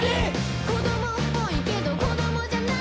「子供っぽいけど子供じゃないよ」